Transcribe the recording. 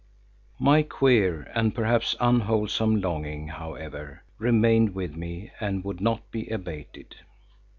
My queer and perhaps unwholesome longing, however, remained with me and would not be abated.